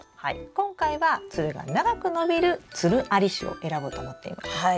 今回はつるが長く伸びるつるあり種を選ぼうと思っています。